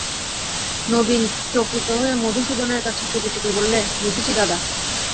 নবীন চকিত হয়ে মধুসূদনের কাছে চুপি চুপি বললে, বুঝেছি দাদা।